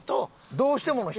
どうしてもの人？